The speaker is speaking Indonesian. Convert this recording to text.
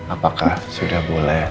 apakah sudah boleh